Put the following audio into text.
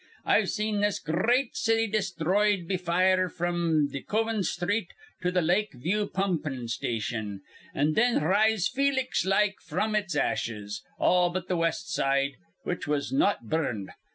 I've seen this gr reat city desthroyed be fire fr'm De Koven Sthreet to th' Lake View pumpin' station, and thin rise felix like fr'm its ashes, all but th' West Side, which was not burned.